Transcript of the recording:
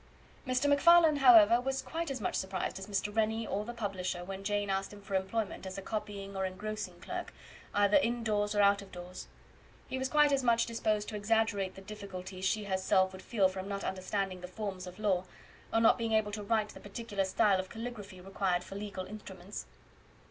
Mr MacFarlane, however, was quite as much surprised as Mr. Rennie, or the publisher, when Jane asked him for employment as a copying or engrossing clerk, either indoors or out of doors. He was quite as much disposed to exaggerate the difficulties she herself would feel from not understanding the forms of law, or not being able to write the particular style of caligraphy required for legal instruments.